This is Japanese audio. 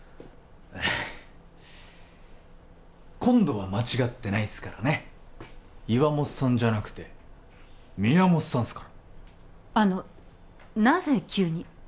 今度は間違ってないっすからね岩本さんじゃなくて宮本さんっすからあのなぜ急に？